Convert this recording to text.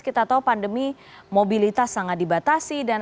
kita tahu pandemi mobilitas sangat dibatasi